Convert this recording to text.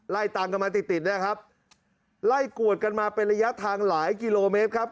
ไล่ตามกันมาติดติดนะครับไล่กวดกันมาเป็นระยะทางหลายกิโลเมตรครับ